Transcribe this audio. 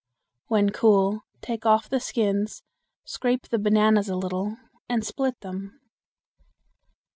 When cool, take off the skins, scrape the bananas a little and split them.